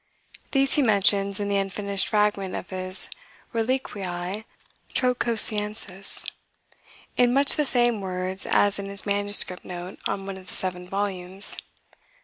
These he mentions in the unfinished fragment of his "Reliquiae Trotcosienses," in much the same words as in his manuscript note on one of the seven volumes.